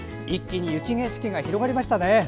一気に雪景色が広がりましたね。